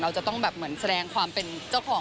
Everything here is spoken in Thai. เราก็ต้องแบบแสดงความเป็นเจ้าของ